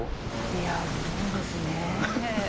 出会うもんですねえ。